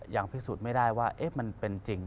ยังพิสูจน์ไม่ได้ว่ามันเป็นจริง